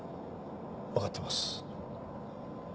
わかってます。